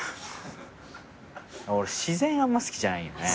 俺自然あんま好きじゃないんよね。